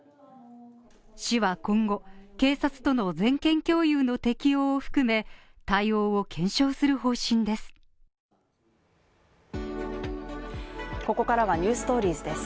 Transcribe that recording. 市は今後、警察との全件共有の適用を含め対応を検証する方針です。